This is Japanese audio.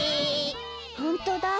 ほんとだ